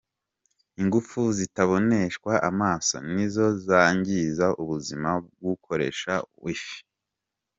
Ingufu zitaboneshwa amaso nizo zangiza ubuzima bw'ukoresha Wi-Fi.